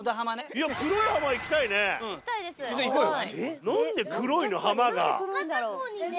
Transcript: いや黒い浜行きたいね。